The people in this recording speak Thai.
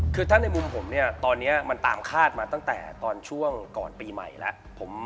คือถ้าในมุมผมเนี่ยตอนนี้มันตามคาดมาตั้งแต่ตอนช่วงก่อนปีใหม่แล้ว